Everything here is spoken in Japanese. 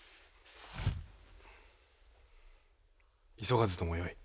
急がずともよい。